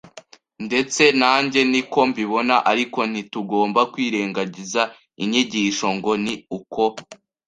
ndetse nanjye ni ko mbibona ariko ntitugomba kwirengagiza inyigisho ngo ni uko